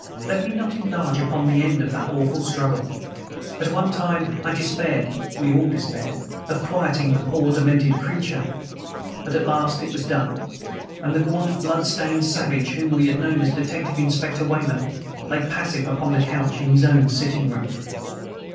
Let me not enlarge upon the end of the awful struggle. At one time I despaired (we all despaired) of quieting the poor, demented creature. But at last it was done; and the gaunt, blood stained savage whom we had known as Detective Inspector Weymouth lay passive upon the couch in his own sitting room.